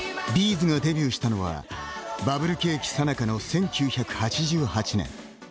’ｚがデビューしたのはバブル景気さなかの１９８８年。